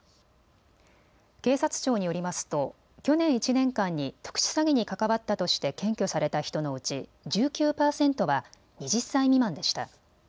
警察庁によりますと去年１年間に特殊詐欺に関わったとして検挙された人のうち１９％は２０歳未満でした。